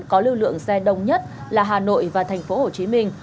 có lưu lượng xe đông nhất là hà nội và thành phố hồ chí minh